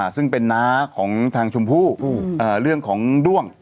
ซึ่งเป็นน้าของทางชมพู่เรื่องของด้วง